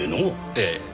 ええ。